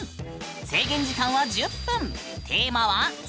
制限時間は１０分！